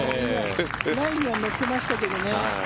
ラインには乗ってましたけどね。